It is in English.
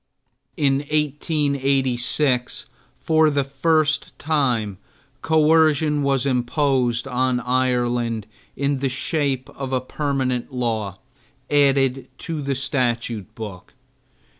In 1886 for the first time coercion was imposed on Ireland in the shape of a permanent law added to the statute book.